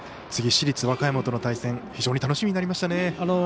次、市立和歌山との対戦非常に楽しみになりましたね。